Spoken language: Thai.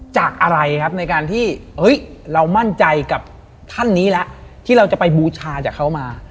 จากอะไรครับในการที่เรามั่นใจกับท่านนี้แล้วที่เราจะไปบูชาจากเขามา